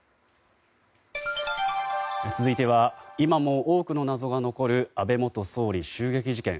続いては今も多くの謎が残る安倍元総理襲撃事件。